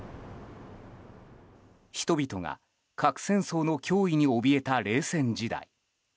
人々が核戦争の脅威におびえた冷戦時代。